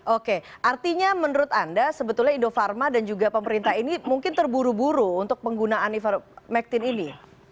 oke artinya menurut anda sebetulnya indofarma dan juga pemerintah ini mungkin terburu buru untuk penggunaan ivermectin ini